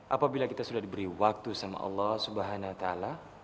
apabila kita sudah diberi waktu sama allah subhanahu wa ta'ala